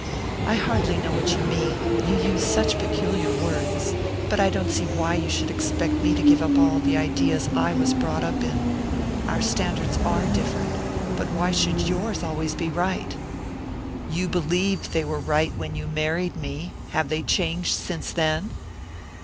"I hardly know what you mean you use such peculiar words; but I don't see why you should expect me to give up all the ideas I was brought up in. Our standards are different but why should yours always be right?" "You believed they were right when you married me have they changed since then?"